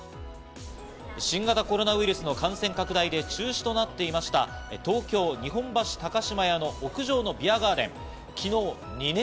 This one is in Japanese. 新型コロナウイルスの感染拡大で中止となっていました東京・日本橋高島屋の屋上のビアガーデン。